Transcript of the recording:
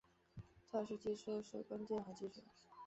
测量技术是关键和基础。